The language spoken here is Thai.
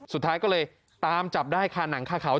สุดท้ายก็เลยตามจับได้ค่ะหนังคาเขา